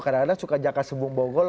kadang kadang suka jaka sebung bogor